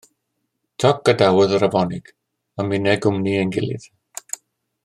Toc gadawodd yr afonig a minne gwmni ein gilydd